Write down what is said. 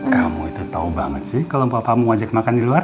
kamu itu tau banget sih kalo papa mau ajak makan di luar